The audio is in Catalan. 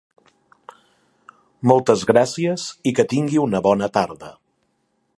Moltes gràcies i que tingui una bona tarda!